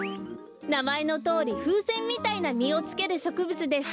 なまえのとおりふうせんみたいなみをつけるしょくぶつです。